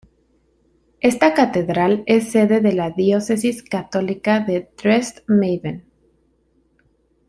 Esta catedral es sede de la diócesis católica de Dresde-Meißen.